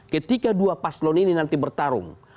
ketika dua paslon ini nanti bertarung